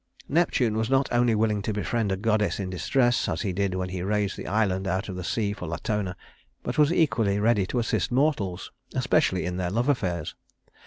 V Neptune was not only willing to befriend a goddess in distress, as he did when he raised the island out of the sea for Latona, but was equally ready to assist mortals especially in their love affairs.